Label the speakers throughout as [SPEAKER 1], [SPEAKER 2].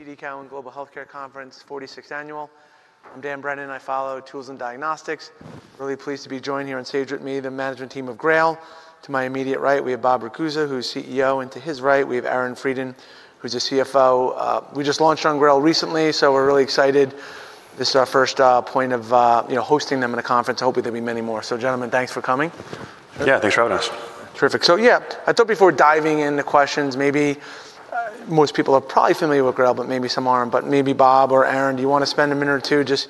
[SPEAKER 1] TD Cowen Global Healthcare Conference, 46th Annual. I'm Dan Brennan, I follow Tools and Diagnostics. Really pleased to be joined here on stage with me, the management team of GRAIL. To my immediate right, we have Bob Ragusa, who's CEO, and to his right, we have Aaron Freidin, who's the CFO. We just launched on GRAIL recently, we're really excited. This is our first point of, you know, hosting them in a conference. Hopefully, there'll be many more. Gentlemen, thanks for coming.
[SPEAKER 2] Yeah, thanks for having us.
[SPEAKER 1] Terrific. Yeah, I thought before diving into questions, maybe most people are probably familiar with GRAIL, but maybe some aren't. Maybe Bob or Aaron, do you want to spend a minute or two just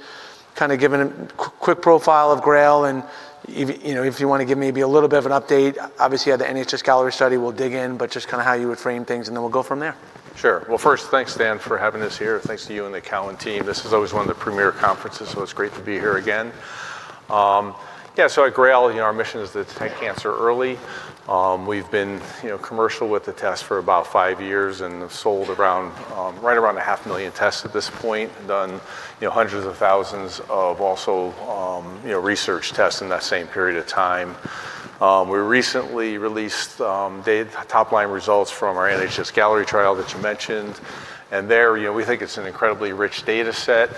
[SPEAKER 1] kinda giving a quick profile of GRAIL and you know, if you want to give maybe a little bit of an update. Obviously, you had the NHS-Galleri study we'll dig in, but just kinda how you would frame things, and then we'll go from there.
[SPEAKER 2] Sure. Well, first, thanks, Dan, for having us here. Thanks to you and the Cowen team. This is always one of the premier conferences, so it's great to be here again. Yeah, so at GRAIL, you know, our mission is to detect cancer early. We've been, you know, commercial with the test for about five years and have sold around right around a half million tests at this point, done, you know, hundreds of thousands of also, you know, research tests in that same period of time. We recently released top-line results from our NHS-Galleri trial that you mentioned. There, you know, we think it's an incredibly rich data set.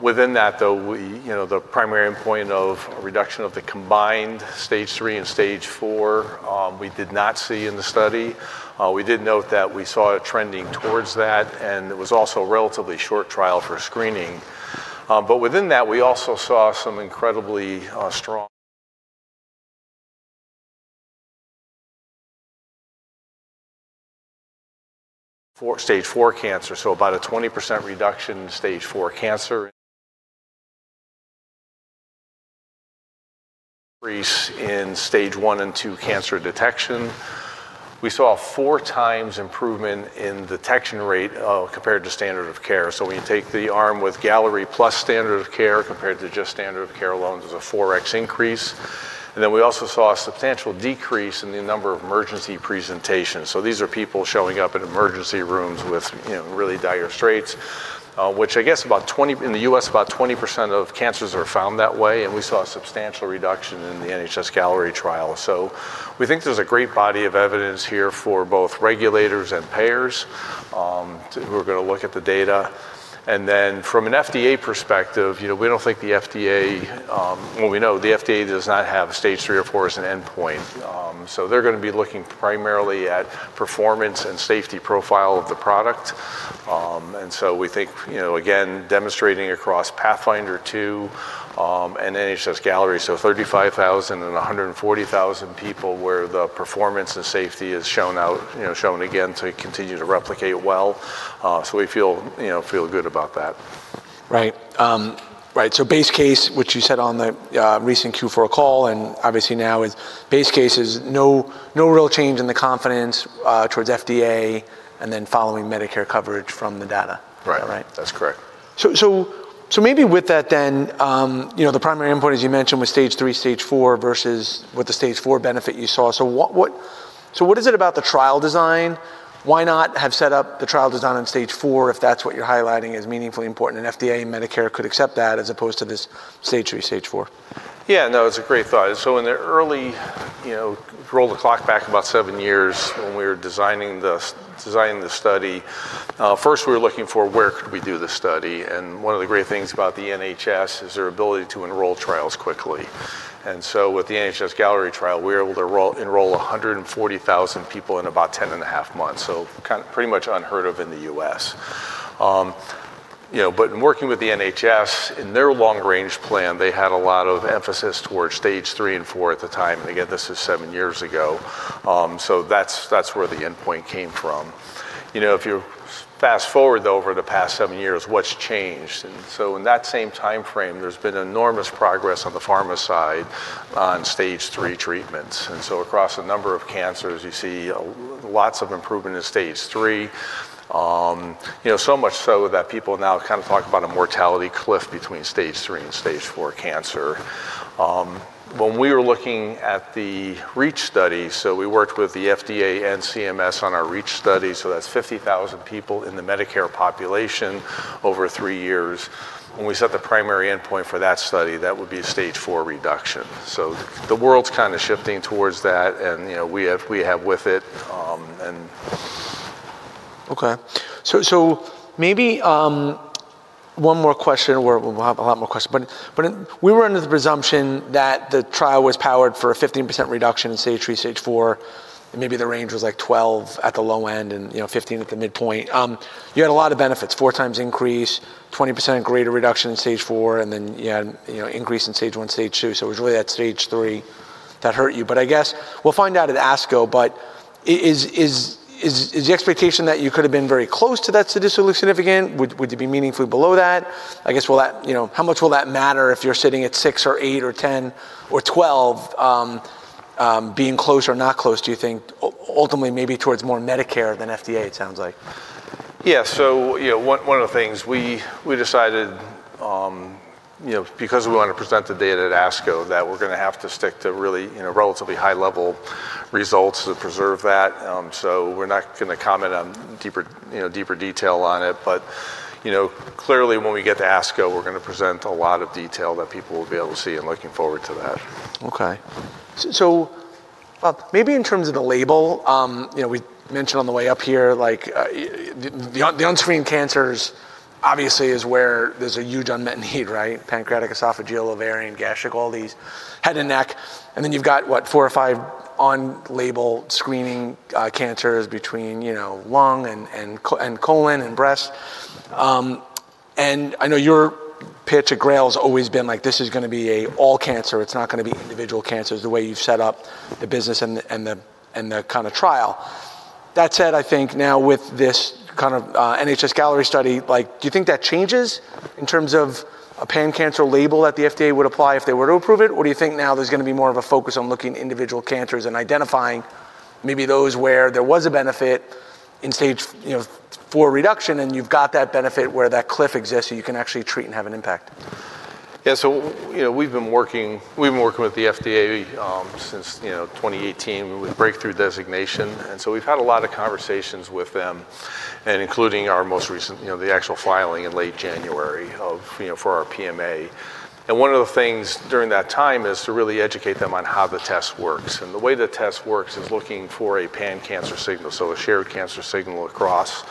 [SPEAKER 2] Within that though, we, you know, the primary endpoint of a reduction of the combined stage III and stage IV, we did not see in the study. We did note that we saw it trending towards that. It was also a relatively short trial for screening. Within that, we also saw some incredibly strong stage IV cancer, so about a 20% reduction in stage IV cancer. Increase in stage I and II Cancer Detection. We saw a 4x improvement in detection rate compared to standard-of-care. When you take the arm with Galleri plus standard-of-care compared to just standard-of-care alone, there's a 4x increase. We also saw a substantial decrease in the number of emergency presentations. These are people showing up in emergency rooms with, you know, really dire straits, which I guess about 20% in the U.S., about 20% of cancers are found that way. We saw a substantial reduction in the NHS-Galleri trial. We think there's a great body of evidence here for both regulators and payers, who are gonna look at the data. From an FDA perspective, you know, we don't think the FDA, we know the FDA does not have a stage III or IV as an endpoint. They're gonna be looking primarily at performance and safety profile of the product. We think, you know, again, demonstrating across PATHFINDER 2 and NHS-Galleri, so 35,000 and 140,000 people where the performance and safety is shown out, you know, shown again to continue to replicate well. We feel, you know, feel good about that.
[SPEAKER 1] Right. Right. Base case, which you said on the recent Q4 call, and obviously now is base case is no real change in the confidence towards FDA and then following Medicare coverage from the data.
[SPEAKER 2] Right.
[SPEAKER 1] Right.
[SPEAKER 2] That's correct.
[SPEAKER 1] Maybe with that then, you know, the primary endpoint, as you mentioned, was stage III, stage IV versus with the stage IV benefit you saw. What is it about the trial design? Why not have set up the trial design on stage IV if that's what you're highlighting as meaningfully important and FDA and Medicare could accept that as opposed to this stage III, stage IV?
[SPEAKER 2] In the early, you know, roll the clock back about seven years when we were designing the study, first we were looking for where could we do the study. One of the great things about the NHS is their ability to enroll trials quickly. With the NHS-Galleri trial, we were able to enroll 140,000 people in about 10.5 months. Pretty much unheard of in the U.S. You know, in working with the NHS, in their long range plan, they had a lot of emphasis towards stage III and IV at the time. Again, this is seven years ago. That's where the endpoint came from. You know, if you fast-forward though over the past seven years, what's changed? In that same timeframe, there's been enormous progress on the pharma side on stage III treatments. Across a number of cancers, you see lots of improvement in stage III. You know, so much so that people now kind of talk about a mortality cliff between stage III and stage IV cancer. When we were looking at the REACH study, so we worked with the FDA and CMS on our REACH study, so that's 50,000 people in the Medicare population over three years. When we set the primary endpoint for that study, that would be a stage IV reduction. The world's kind of shifting towards that and, you know, we have with it.
[SPEAKER 1] Okay. So, so maybe, one more question. We'll have a lot more questions. We were under the presumption that the trial was powered for a 15% reduction in stage III, stage IV, and maybe the range was like 12 at the low end and, you know, 15 at the midpoint. You had a lot of benefits, 4x increase, 20% greater reduction in stage IV, and then you had, you know, increase in stage I, stage II. It was really that stage III that hurt you. I guess we'll find out at ASCO. Is the expectation that you could have been very close to that statistically significant? Would you be meaningfully below that? I guess will that. You know, how much will that matter if you're sitting at six or eight or 10 or 12, being close or not close, do you think, ultimately maybe towards more Medicare than FDA, it sounds like?
[SPEAKER 2] Yeah. You know, one of the things we decided, you know, because we want to present the data at ASCO, that we're gonna have to stick to really, you know, relatively high level results to preserve that. We're not gonna comment on deeper, you know, deeper detail on it. You know, clearly, when we get to ASCO, we're gonna present a lot of detail that people will be able to see and looking forward to that.
[SPEAKER 1] Okay. Well, maybe in terms of the label, you know, we mentioned on the way up here, like, the unscreened cancers obviously is where there's a huge unmet need, right? Pancreatic, esophageal, ovarian, gastric, all these head and neck, and then you've got, what, four or five on-label screening cancers between, you know, lung and colon and breast. I know your pitch at GRAIL's always been like, this is gonna be a all cancer. It's not gonna be individual cancers, the way you've set up the business and the kinda trial. That said, I think now with this kind of NHS-Galleri study, like, do you think that changes in terms of a pan-cancer label that the FDA would apply if they were to approve it? Do you think now there's gonna be more of a focus on looking individual cancers and identifying maybe those where there was a benefit in stage, you know, four reduction, and you've got that benefit where that cliff exists, so you can actually treat and have an impact?
[SPEAKER 2] Yeah. you know, we've been working with the FDA, since, you know, 2018 with Breakthrough designation, we've had a lot of conversations with them, and including our most recent, you know, the actual filing in late January of, you know, for our PMA. One of the things during that time is to really educate them on how the test works. The way the test works is looking for a pan-cancer signal, so a shared cancer signal across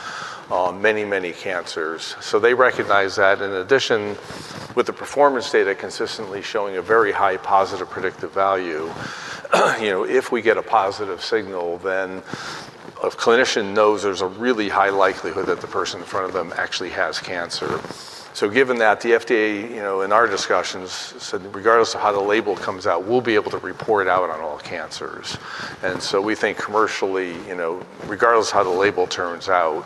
[SPEAKER 2] many, many cancers. They recognize that. In addition, with the performance data consistently showing a very high positive predictive value, you know, if we get a positive signal, then a clinician knows there's a really high likelihood that the person in front of them actually has cancer. Given that, the FDA, you know, in our discussions said regardless of how the label comes out, we'll be able to report out on all cancers. We think commercially, you know, regardless of how the label turns out,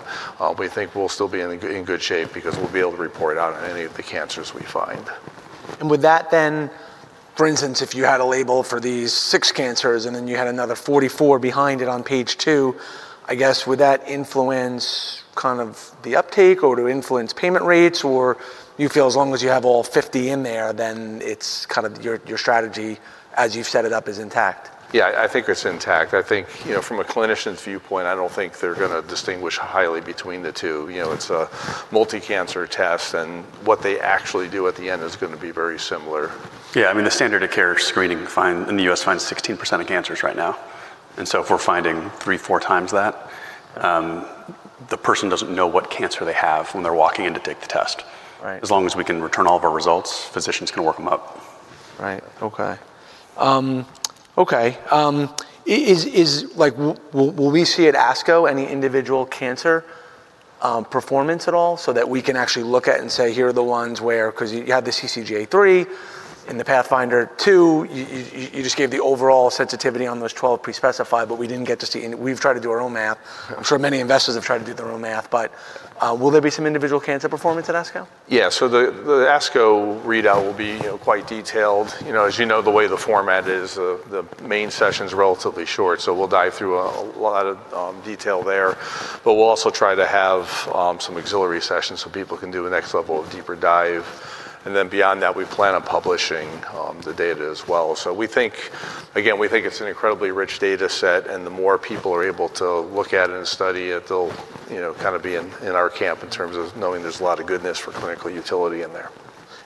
[SPEAKER 2] we think we'll still be in good shape because we'll be able to report out on any of the cancers we find.
[SPEAKER 1] Would that then, for instance, if you had a label for these six cancers, and then you had another 44 behind it on page two, I guess, would that influence kind of the uptake or to influence payment rates? You feel as long as you have all 50 in there, then it's kind of your strategy as you've set it up is intact?
[SPEAKER 2] Yeah. I think it's intact. I think, you know, from a clinician's viewpoint, I don't think they're gonna distinguish highly between the two. You know, it's a multi-cancer test. What they actually do at the end is gonna be very similar.
[SPEAKER 3] Yeah. I mean, the standard-of-care screening in the U.S. finds 16% of cancers right now. If we're finding 3x, 4 x that, the person doesn't know what cancer they have when they're walking in to take the test.
[SPEAKER 1] Right.
[SPEAKER 3] As long as we can return all of our results, physicians can work them up.
[SPEAKER 1] Right. Okay. Like, will we see at ASCO any individual cancer performance at all so that we can actually look at and say, "Here are the ones where..." Because you had the CCGA-3 and the PATHFINDER 2. You just gave the overall sensitivity on those 12 pre-specified, but we didn't get to see. We've tried to do our own math. I'm sure many investors have tried to do their own math, but will there be some individual cancer performance at ASCO?
[SPEAKER 2] Yeah. The ASCO readout will be, you know, quite detailed. You know, as you know, the way the format is, the main session's relatively short, we'll dive through a lot of detail there. We'll also try to have some auxiliary sessions so people can do a next level deeper dive. Beyond that, we plan on publishing the data as well. We think it's an incredibly rich data set, and the more people are able to look at it and study it, they'll, you know, kinda be in our camp in terms of knowing there's a lot of goodness for clinical utility in there.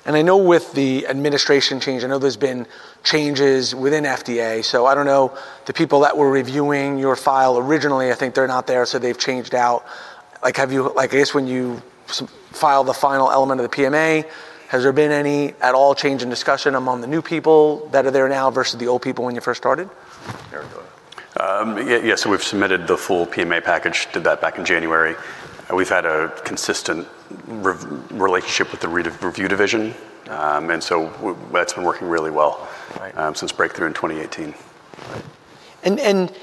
[SPEAKER 1] I know with the administration change, I know there's been changes within FDA. I don't know the people that were reviewing your file originally, I think they're not there, so they've changed out. I guess when you file the final element of the PMA, has there been any at all change in discussion among the new people that are there now versus the old people when you first started?
[SPEAKER 3] Yes. We've submitted the full PMA package. We did that back in January. We've had a consistent relationship with the review division. That's been working really well since Breakthrough in 2018.
[SPEAKER 1] If,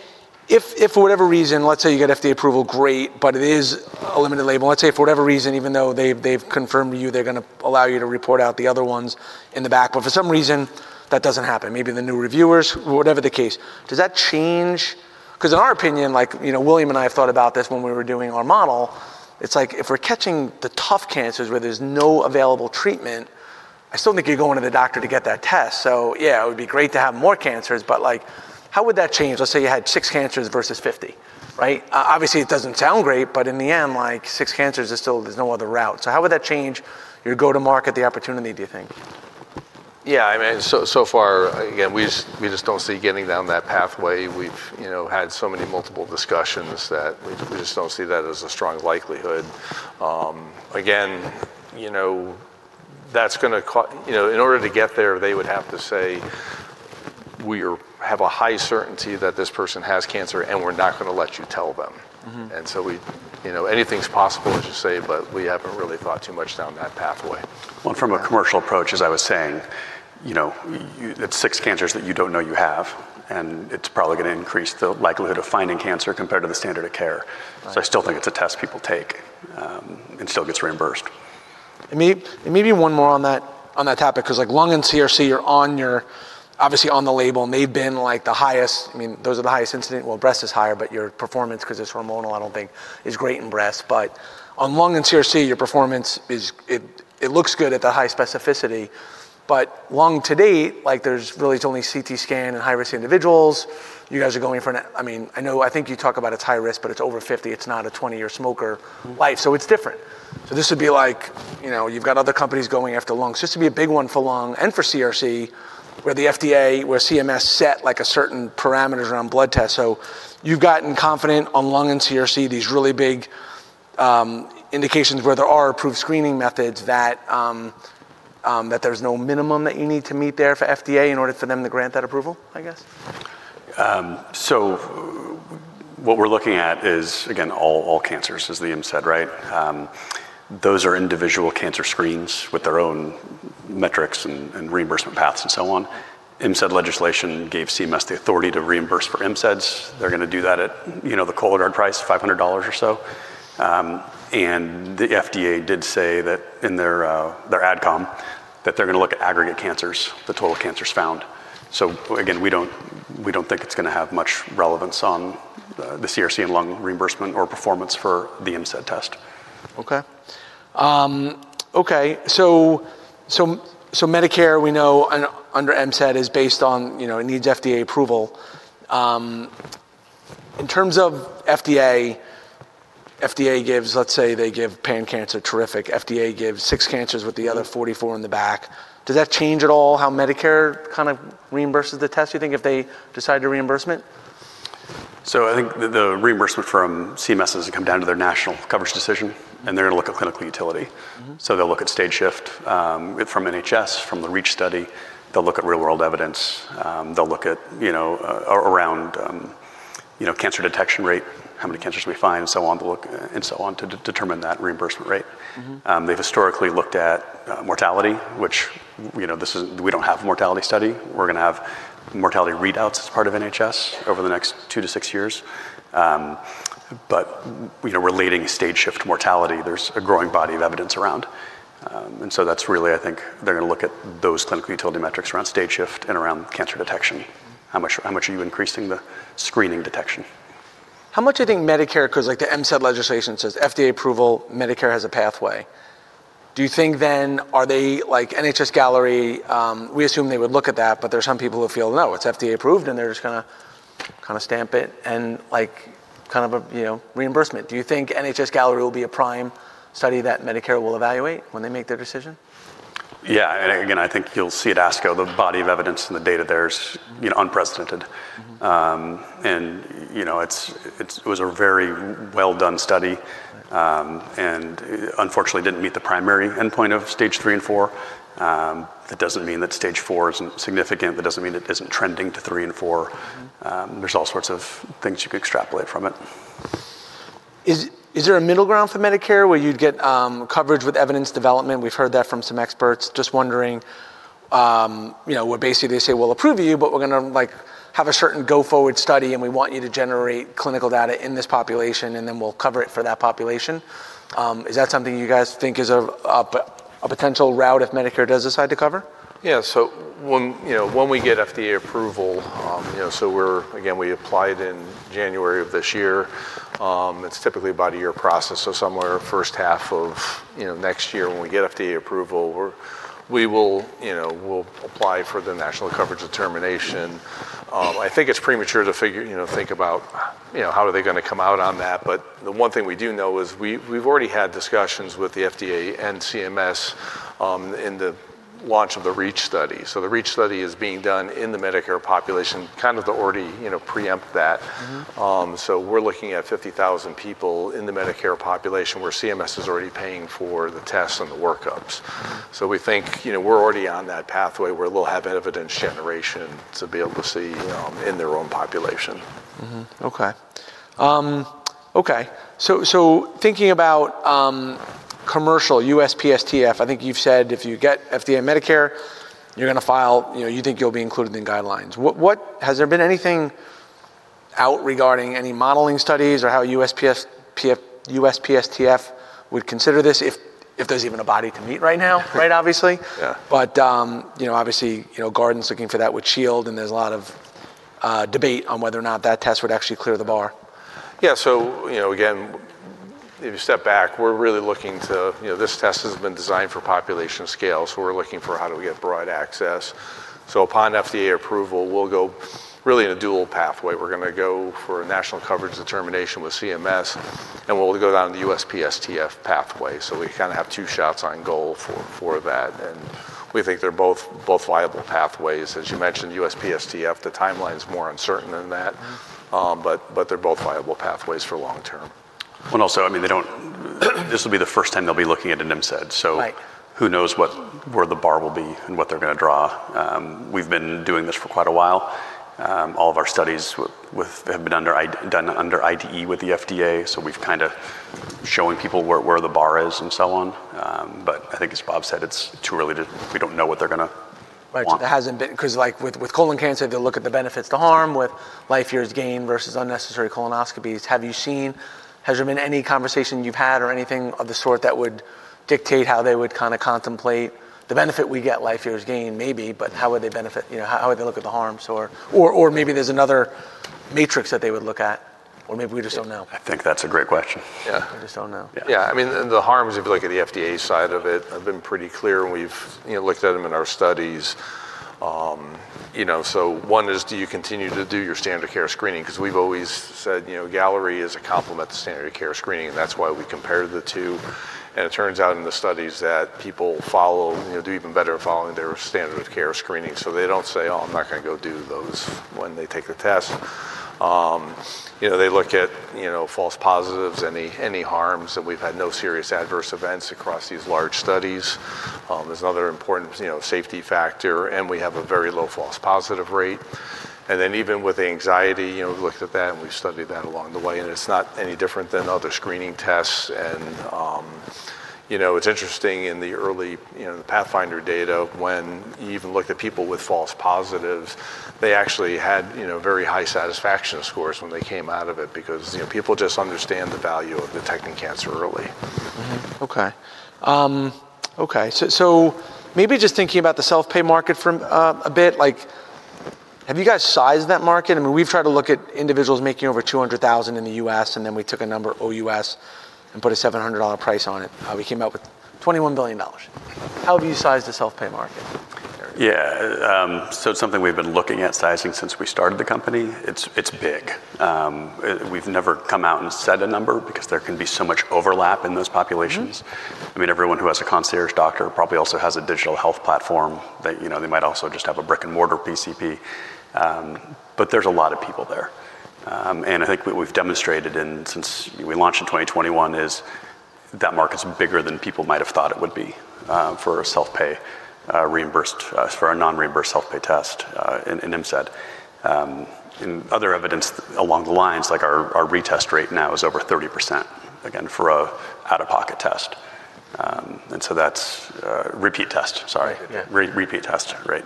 [SPEAKER 1] if for whatever reason, let's say you get FDA approval, great, but it is a limited label. Let's say for whatever reason, even though they've confirmed to you they're gonna allow you to report out the other ones in the back, but for some reason that doesn't happen. Maybe the new reviewers, whatever the case. Does that change? Beause in our opinion, like, you know, William and I have thought about this when we were doing our model. It's like if we're catching the tough cancers where there's no available treatment, I still think you're going to the doctor to get that test. Yeah, it would be great to have more cancers, but, like, how would that change? Let's say you had six cancers versus 50, right? Obviously it doesn't sound great, but in the end, like, six cancers is still there's no other route. How would that change your go-to-market, the opportunity, do you think?
[SPEAKER 2] Yeah. I mean, so far, again, we just don't see getting down that pathway. We've, you know, had so many multiple discussions that we just don't see that as a strong likelihood. Again, you know, that's gonna You know, in order to get there, they would have to say, "We have a high certainty that this person has cancer, and we're not gonna let you tell them.
[SPEAKER 1] Mm-hmm.
[SPEAKER 2] You know, anything's possible, as you say, but we haven't really thought too much down that pathway.
[SPEAKER 3] Well, from a commercial approach, as I was saying, you know, it's six cancers that you don't know you have, and it's probably gonna increase the likelihood of finding cancer compared to the standard-of-care.
[SPEAKER 1] Right.
[SPEAKER 3] I still think it's a test people take, and still gets reimbursed.
[SPEAKER 1] Maybe one more on that, on that topic, cause, like, lung and CRC, you're obviously on the label, and they've been, like, the highest. I mean, those are the highest incident. Breast is higher, your performance, cause it's hormonal, I don't think is great in breast. On lung and CRC, your performance, it looks good at the high specificity. Lung to date, like, there's really it's only CT scan in high-risk individuals. You guys are going in for an. I mean, I know I think you talk about it's high risk, it's over 50. It's not a 20-year smoker life.
[SPEAKER 3] Mm-hmm.
[SPEAKER 1] It's different. This would be like, you know, you've got other companies going after lungs. This would be a big one for lung and for CRC, where the FDA, where CMS set, like, a certain parameters around blood tests. You've gotten confident on lung and CRC, these really big indications where there are approved screening methods that there's no minimum that you need to meet there for FDA in order for them to grant that approval, I guess?
[SPEAKER 3] What we're looking at is, again, all cancers, as Bob said, right? Those are individual cancer screens with their own metrics and reimbursement paths and so on. MCED legislation gave CMS the authority to reimburse for MCEDs. They're gonna do that at, you know, the Cologuard price, $500 or so. The FDA did say that in their AdCom that they're gonna look at aggregate cancers, the total cancers found. Again, we don't think it's gonna have much relevance on the CRC and lung reimbursement or performance for the MCED test.
[SPEAKER 1] Okay. Okay. Medicare, we know under MCED is based on, you know, it needs FDA approval. In terms of FDA, let's say they give pan cancer terrific. FDA gives six cancers with the other 44 in the back. Does that change at all how Medicare kind of reimburses the test, do you think, if they decide to reimbursement?
[SPEAKER 3] I think the reimbursement from CMS has come down to their national coverage decision, and they're gonna look at clinical utility.
[SPEAKER 1] Mm-hmm.
[SPEAKER 3] They'll look at stage shift, from NHS, from the REACH study. They'll look at real-world evidence. They'll look at, you know, around, you know, Cancer Detection rate, how many cancers we find, so on. They'll look and so on to determine that reimbursement rate.
[SPEAKER 1] Mm-hmm.
[SPEAKER 3] They've historically looked at mortality, which, you know, this is. We don't have mortality study. We're gonna have mortality readouts as part of NHS over the next two to six years. You know, relating stage shift mortality, there's a growing body of evidence around. That's really, I think, they're gonna look at those clinical utility metrics around stage shift and around Cancer Detection. How much are you increasing the screening detection?
[SPEAKER 1] Like the MCED legislation says FDA approval, Medicare has a pathway. Do you think then are they like NHS Galleri? We assume they would look at that, but there are some people who feel, "No, it's FDA approved," and they're just gonna kinda stamp it and like kind of a, you know, reimbursement. Do you think NHS Galleri will be a prime study that Medicare will evaluate when they make their decision?
[SPEAKER 3] Yeah. Again, I think you'll see at ASCO the body of evidence and the data there is, you know, unprecedented. You know, It was a very well done study. Unfortunately didn't meet the primary endpoint of stage III and IV. That doesn't mean that stage IV isn't significant. That doesn't mean it isn't trending to III and IV. There's all sorts of things you could extrapolate from it.
[SPEAKER 1] Is there a middle ground for Medicare where you'd get coverage with evidence development? We've heard that from some experts. Just wondering, you know, where basically they say, "We'll approve you, but we're gonna, like, have a certain go forward study, and we want you to generate clinical data in this population, and then we'll cover it for that population." Is that something you guys think is a potential route if Medicare does decide to cover?
[SPEAKER 2] When, you know, when we get FDA approval, you know, Again, we applied in January of this year. It's typically about a year process, somewhere first half of, you know, next year when we get FDA approval, we will, you know, we'll apply for the national coverage determination. I think it's premature to figure, you know, think about, you know, how are they gonna come out on that. The one thing we do know is we've already had discussions with the FDA and CMS in the launch of the REACH study. The REACH study is being done in the Medicare population, kind of to already, you know, preempt that. We're looking at 50,000 people in the Medicare population where CMS is already paying for the tests and the workups. We think, you know, we're already on that pathway where we'll have evidence generation to be able to see in their own population.
[SPEAKER 1] Okay. Okay. Thinking about commercial USPSTF, I think you've said if you get FDA Medicare, you're gonna file, you know, you think you'll be included in guidelines. Has there been anything out regarding any modeling studies or how USPSTF would consider this if there's even a body to meet right now, right, obviously?
[SPEAKER 2] Yeah.
[SPEAKER 1] You know, obviously, you know, Guardant's looking for that with Shield, and there's a lot of debate on whether or not that test would actually clear the bar.
[SPEAKER 2] Yeah. You know, again, if you step back, we're really looking to. You know, this test has been designed for population scale. We're looking for how do we get broad access. Upon FDA approval, we'll go really in a dual pathway. We're gonna go for a national coverage determination with CMS, and we'll go down the USPSTF pathway. We kind of have two shots on goal for that, and we think they're both viable pathways. As you mentioned, USPSTF, the timeline's more uncertain than that but they're both viable pathways for long term.
[SPEAKER 3] Also, I mean, this will be the first time they'll be looking at an MCED.
[SPEAKER 1] Right.
[SPEAKER 3] Who knows what, where the bar will be and what they're gonna draw. We've been doing this for quite a while. All of our studies with have been done under IDE with the FDA, so we've kinda showing people where the bar is and so on. I think as Bob said, it's too early to. We don't know what they're gonna want.
[SPEAKER 1] Right. There hasn't been... Because like with colon cancer, they'll look at the benefits to harm with life years gained versus unnecessary colonoscopies. Have you seen, has there been any conversation you've had or anything of the sort that would dictate how they would kind of contemplate the benefit we get, life years gained maybe, but how would they benefit, you know, how would they look at the harms or maybe there's another matrix that they would look at, or maybe we just don't know?
[SPEAKER 3] I think that's a great question.
[SPEAKER 2] Yeah.
[SPEAKER 1] We just don't know.
[SPEAKER 3] Yeah. I mean, the harms, if you look at the FDA side of it, have been pretty clear, and we've, you know, looked at them in our studies. you know, so one is do you continue to do your standard-of-care screening? Beause we've always said, you know, Galleri is a complement to standard-of-care screening, and that's why we compare the two. It turns out in the studies that people follow, you know, do even better following their standard-of-care screening. They don't say, "Oh, I'm not gonna go do those," when they take the test. you know, they look at, you know, false positives, any harms, and we've had no serious adverse events across these large studies. There's another important, you know, safety factor, and we have a very low false positive rate. Even with anxiety, you know, we looked at that, and we studied that along the way, and it's not any different than other screening tests. You know, it's interesting in the early, you know, the PATHFINDER data, when you even look at people with false positives, they actually had, you know, very high satisfaction scores when they came out of it because, you know, people just understand the value of detecting cancer early.
[SPEAKER 1] Okay. Okay. Maybe just thinking about the self-pay market for a bit. Like, have you guys sized that market? I mean, we've tried to look at individuals making over 200,000 in the U.S. Then we took a number OUS and put a $700 price on it. We came out with $21 billion. How have you sized the self-pay market?
[SPEAKER 3] Yeah. It's something we've been looking at sizing since we started the company. It's big. We've never come out and said a number because there can be so much overlap in those populations.
[SPEAKER 1] Mm-hmm.
[SPEAKER 3] I mean, everyone who has a concierge doctor probably also has a digital health platform that, you know, they might also just have a brick-and-mortar PCP. There's a lot of people there. I think what we've demonstrated since we launched in 2021 is that market's bigger than people might have thought it would be for a self-pay, non-reimbursed self-pay test in NMSAT. Other evidence along the lines, like our retest rate now is over 30%, again, for an out-of-pocket test. So that's... Repeat test, sorry.
[SPEAKER 1] Yeah.
[SPEAKER 3] Repeat test, right.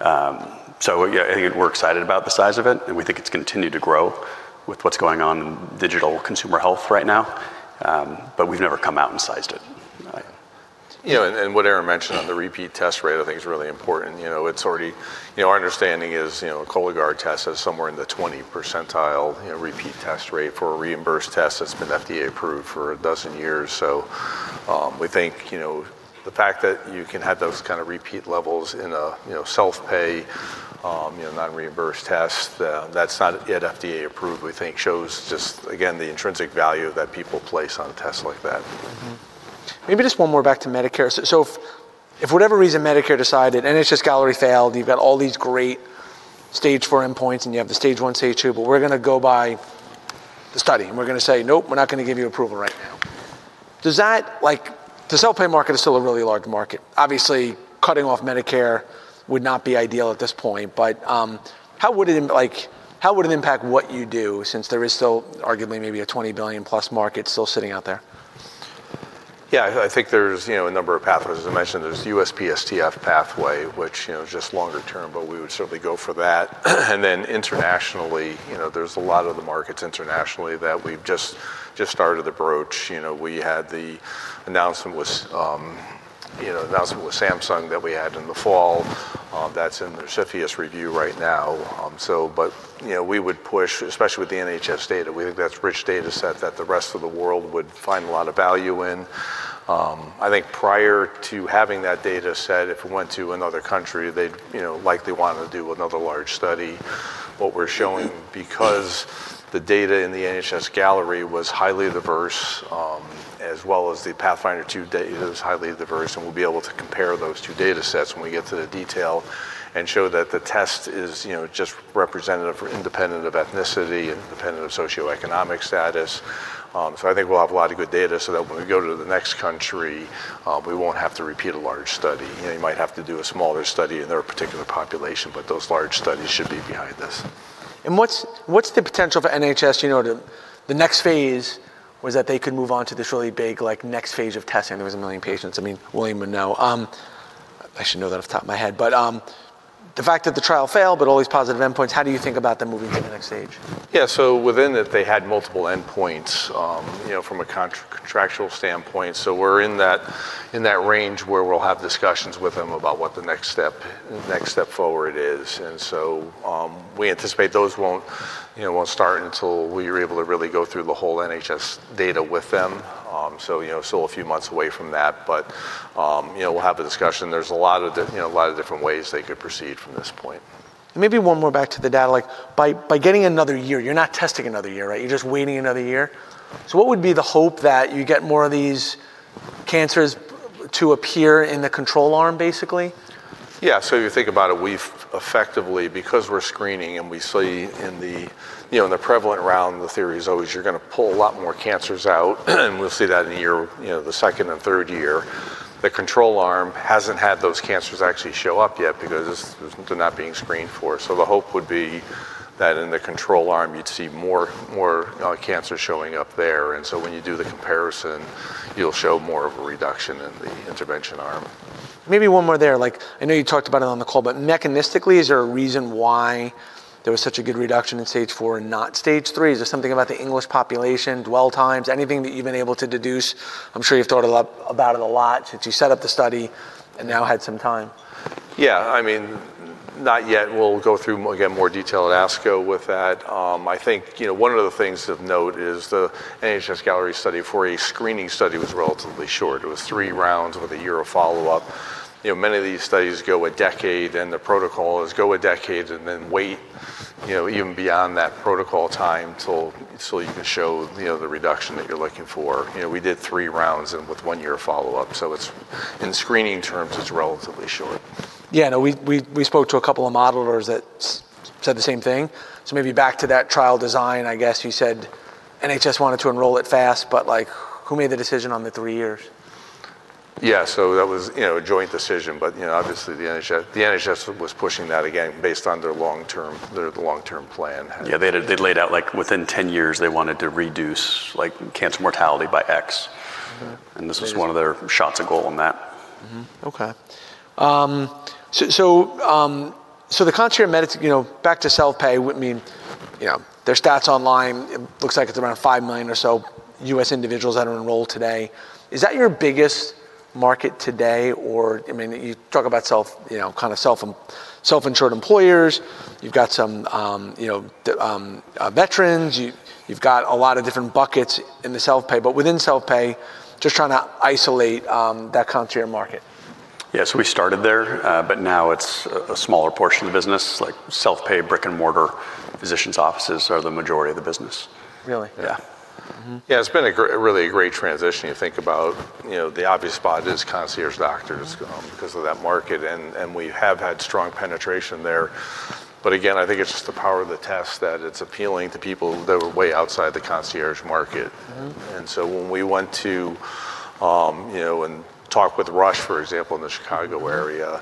[SPEAKER 3] Yeah, I think we're excited about the size of it, and we think it's continued to grow with what's going on in digital consumer health right now. We've never come out and sized it.
[SPEAKER 1] Right.
[SPEAKER 2] You know, what Aaron Freidin mentioned on the repeat test rate I think is really important. You know, our understanding is, a Cologuard test has somewhere in the 20 percentile repeat test rate for a reimbursed test that's been FDA approved for 12 years. We think the fact that you can have those kind of repeat levels in a self-pay, non-reimbursed test that's not yet FDA approved, we think shows just again the intrinsic value that people place on tests like that.
[SPEAKER 1] Maybe just one more back to Medicare. If for whatever reason Medicare decided, and it's just Galleri failed, you've got all these great stage IV endpoints, and you have the stage I, stage II, but we're gonna go by the study, and we're gonna say, "Nope, we're not gonna give you approval right now." Like, the self-pay market is still a really large market. Obviously, cutting off Medicare would not be ideal at this point, but, how would it like, how would it impact what you do since there is still arguably maybe a $20 billion plus market still sitting out there?
[SPEAKER 3] Yeah. I think there's, you know, a number of pathways. As I mentioned, there's USPSTF pathway, which, you know, is just longer term, but we would certainly go for that. Then internationally, you know, there's a lot of the markets internationally that we've just started to broach. You know, we had the announcement with, you know, the announcement with Samsung that we had in the fall. That's in their CEPHEUS review right now. But, you know, we would push, especially with the NHS data, we think that's rich data set that the rest of the world would find a lot of value in. I think prior to having that data set, if we went to another country, they'd, you know, likely want to do another large study. What we're showing because the data in the NHS-Galleri was highly diverse, as well as the PATHFINDER 2 data is highly diverse, and we'll be able to compare those two data sets when we get to the detail and show that the test is, you know, just representative or independent of ethnicity and independent of socioeconomic status. I think we'll have a lot of good data so that when we go to the next country, we won't have to repeat a large study. You know, you might have to do a smaller study in their particular population, but those large studies should be behind this.
[SPEAKER 1] What's the potential for NHS? You know, the next phase was that they could move on to this really big, like, next phase of testing. There was 1 million patients. I mean, William would know. I should know that off the top of my head. The fact that the trial failed, but all these positive endpoints, how do you think about them moving to the next stage?
[SPEAKER 2] Yeah. Within it, they had multiple endpoints, you know, from a contractual standpoint. We're in that, in that range where we'll have discussions with them about what the next step forward is. We anticipate those won't, you know, won't start until we're able to really go through the whole NHS data with them. You know, still a few months away from that. You know, we'll have a discussion. There's a lot of you know, a lot of different ways they could proceed from this point.
[SPEAKER 1] Maybe one more back to the data. Like, by getting another year, you're not testing another year, right? You're just waiting another year. What would be the hope that you get more of these cancers to appear in the control arm, basically?
[SPEAKER 2] If you think about it, we've effectively Because we're screening and we see in the, you know, in the prevalent round, the theory is always you're gonna pull a lot more cancers out, and we'll see that in a year, you know, the second and third year. The control arm hasn't had those cancers actually show up yet because they're not being screened for. The hope would be that in the control arm, you'd see more cancer showing up there. When you do the comparison, you'll show more of a reduction in the intervention arm.
[SPEAKER 1] Maybe one more there. Like, I know you talked about it on the call, but mechanistically, is there a reason why there was such a good reduction in stage IV and not stage III? Is there something about the English population, dwell times, anything that you've been able to deduce? I'm sure you've thought a lot about it a lot since you set up the study and now had some time.
[SPEAKER 2] Yeah. I mean, not yet. We'll go through again, more detail at ASCO with that. I think, you know, one of the things of note is the NHS-Galleri study for a screening study was relatively short. It was three rounds with one year of follow-up. You know, many of these studies go one decade, the protocol is go one decade and then wait, you know, even beyond that protocol time till, so you can show, you know, the reduction that you're looking for. You know, we did three rounds and with 1 year of follow-up. It's, in screening terms, it's relatively short.
[SPEAKER 1] Yeah. No. We spoke to a couple of modelers that said the same thing. Maybe back to that trial design, I guess you said NHS wanted to enroll it fast, but, like, who made the decision on the three years?
[SPEAKER 2] Yeah. That was, you know, a joint decision. You know, obviously the NHS was pushing that again based on their long-term plan.
[SPEAKER 3] Yeah, They laid out, like, within 10 years, they wanted to reduce, like, cancer mortality by X.
[SPEAKER 1] Mm-hmm.
[SPEAKER 3] This was one of their shots at goal on that.
[SPEAKER 1] Okay, the concierge medic, you know, back to self-pay would mean, you know, their stats online, it looks like it's around $5 million or so U.S. individuals that are enrolled today. Is that your biggest market today? Or, I mean, you talk about self, you know, kinda self-insured employers. You've got some, you know, veterans. You've got a lot of different buckets in the self-pay. Within self-pay, just trying to isolate that concierge market.
[SPEAKER 3] Yeah. We started there, but now it's a smaller portion of the business. Like, self-pay, brick and mortar physician's offices are the majority of the business.
[SPEAKER 1] Really?
[SPEAKER 3] Yeah.
[SPEAKER 1] Mm-hmm.
[SPEAKER 2] Yeah. It's been a great, really a great transition. You think about, you know, the obvious spot is concierge doctors because of that market, and we have had strong penetration there. Again, I think it's just the power of the test that it's appealing to people that were way outside the concierge market.
[SPEAKER 1] Mm-hmm.
[SPEAKER 2] When we went to, you know, and talk with Rush, for example, in the Chicago area,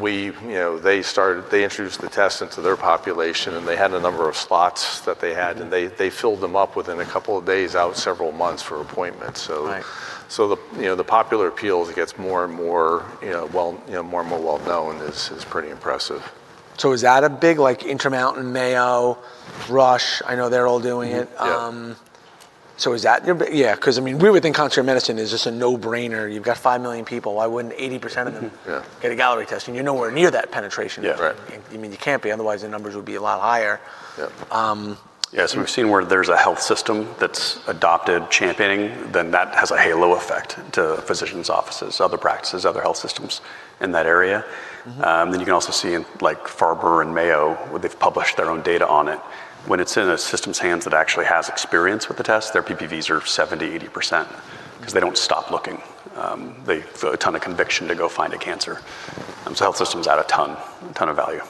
[SPEAKER 2] we, you know, they introduced the test into their population, and they had a number of slots that they had, and they filled them up within a couple of days out several months for appointments, so.
[SPEAKER 1] Right.
[SPEAKER 2] The, you know, the popular appeal as it gets more and more well known is pretty impressive.
[SPEAKER 1] Is that a big, like, Intermountain, Mayo, Rush? I know they're all doing it.
[SPEAKER 3] Mm-hmm. Yeah.
[SPEAKER 1] Yeah, because I mean, we would think concierge medicine is just a no-brainer. You've got 5 million people. Why wouldn't 80% of them?
[SPEAKER 3] Yeah
[SPEAKER 1] Galleri Test? You're nowhere near that penetration.
[SPEAKER 3] Yeah.
[SPEAKER 2] Right.
[SPEAKER 1] You mean, you can't be, otherwise the numbers would be a lot higher.
[SPEAKER 3] Yeah.
[SPEAKER 1] Um-
[SPEAKER 3] Yeah. We've seen where there's a health system that's adopted championing, then that has a halo effect to physicians' offices, other practices, other health systems in that area.
[SPEAKER 1] Mm-hmm.
[SPEAKER 3] You can also see in Dana-Farber and Mayo, where they've published their own data on it. When it's in a system's hands that actually has experience with the test, their PPVs are 70%-80%.
[SPEAKER 1] Mm-hmm
[SPEAKER 3] Because they don't stop looking. They've a ton of conviction to go find a cancer. Health systems add a ton of value.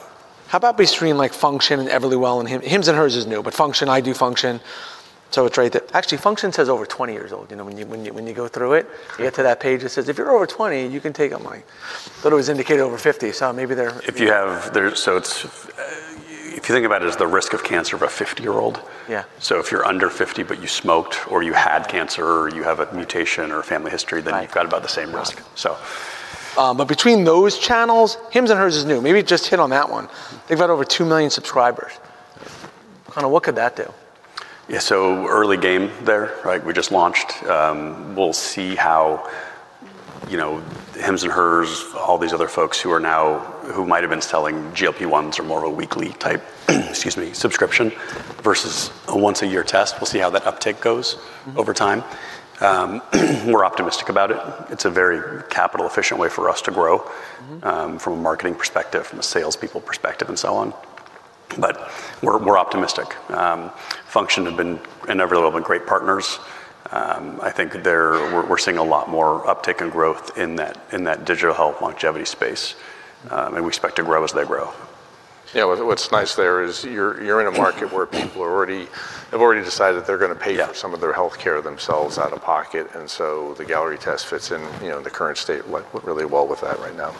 [SPEAKER 1] How about between, like, Function and Everlywell and Hims & Hers is new, but Function, I do Function, so it's right that. Actually, Function says over 20 years old. You know, when you go through it.
[SPEAKER 3] Yeah.
[SPEAKER 1] You get to that page that says, "If you're over 20, you can take them." Like, I thought it was indicated over 50, so maybe.
[SPEAKER 3] It's if you think about it as the risk of cancer of a 50-year-old.
[SPEAKER 1] Yeah.
[SPEAKER 3] If you're under 50, but you smoked, or you had cancer, or you have a mutation or a family history...
[SPEAKER 1] Right
[SPEAKER 3] You've got about the same risk.
[SPEAKER 1] Got it. Between those channels, Hims & Hers is new. Maybe just hit on that one. They've had over 2 million subscribers. Kinda what could that do?
[SPEAKER 3] Yeah. Early game there. Right? We just launched. We'll see how, you know, Hims & Hers, all these other folks who might have been selling GLP-1s or more a weekly type, excuse me, subscription versus a once a year test. We'll see how that uptake goes over time. We're optimistic about it. It's a very capital efficient way for us to grow from a marketing perspective, from a salespeople perspective, and so on. We're optimistic. Function have been and Everlywell have been great partners. I think we're seeing a lot more uptake and growth in that, in that digital health longevity space. We expect to grow as they grow.
[SPEAKER 2] Yeah. What's nice there is you're in a market where people have already decided that they're gonna pay-
[SPEAKER 3] Yeah
[SPEAKER 2] For some of their healthcare themselves out of pocket, the Galleri Test fits in, you know, in the current state, like, really well with that right now.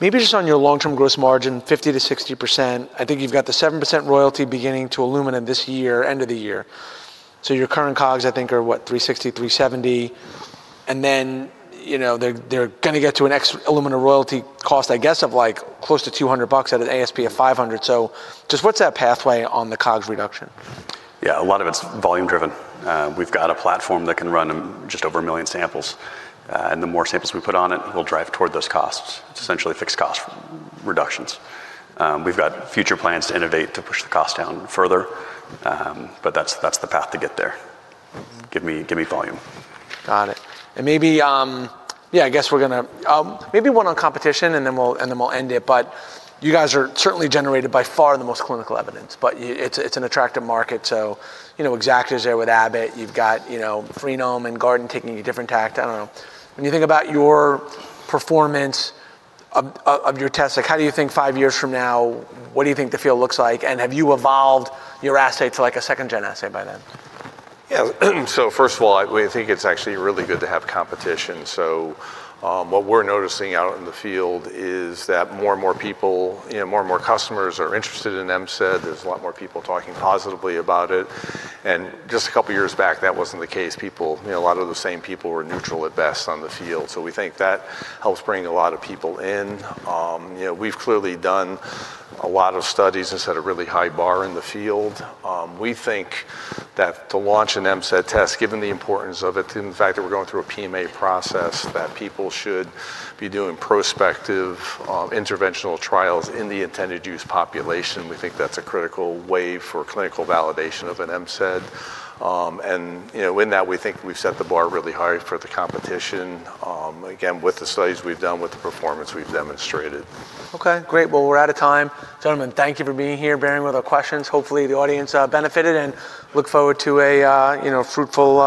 [SPEAKER 1] Maybe just on your long-term gross margin, 50%-60%. I think you've got the 7% royalty beginning to Illumina this year, end of the year. Your current COGS, I think, are what? $360-$370. You know, they're gonna get to an ex Illumina royalty cost, I guess, of, like, close to $200 at an ASP of $500. Just what's that pathway on the COGS reduction?
[SPEAKER 3] A lot of it's volume driven. We've got a platform that can run just over 1 million samples. The more samples we put on it will drive toward those costs. It's essentially fixed cost reductions. We've got future plans to innovate to push the cost down further. That's, that's the path to get there.
[SPEAKER 1] Mm-hmm.
[SPEAKER 3] Give me volume.
[SPEAKER 1] Got it. Maybe, yeah, one on competition, and then we'll end it. You guys are certainly generated by far the most clinical evidence. It's, it's an attractive market, so, you know, Exact Sciences there with Abbott. You've got, you know, Freenome and Guardant taking a different tact. I don't know. When you think about your performance of your tests, like how do you think five years from now, what do you think the field looks like, and have you evolved your assay to, like, a second-gen assay by then?
[SPEAKER 2] Yeah. First of all, I, we think it's actually really good to have competition. What we're noticing out in the field is that more and more people, you know, more and more customers are interested in MCED. There's a lot more people talking positively about it. Just a couple of years back, that wasn't the case. People, you know, a lot of the same people were neutral at best on the field. We think that helps bring a lot of people in. You know, we've clearly done a lot of studies and set a really high bar in the field. We think that to launch an MCED test, given the importance of it, and the fact that we're going through a PMA process, that people should be doing prospective, interventional trials in the intended use population. We think that's a critical way for clinical validation of an MCED. You know, in that, we think we've set the bar really high for the competition, again, with the studies we've done, with the performance we've demonstrated.
[SPEAKER 1] Okay. Great. Well, we're out of time. Gentlemen, thank you for being here, bearing with our questions. Hopefully, the audience benefited, and look forward to a, you know, fruitful.